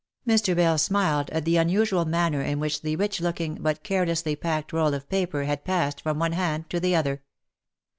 Mr. Bell smiled at the unusual manner in which the rich looking, but carelessly packed roll of paper had passed from one hand to the other.